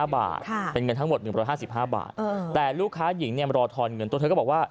๕๕บาทแต่ลูกค้าหญิงเนี่ยมารอทอนเงินตัวเธอก็บอกว่า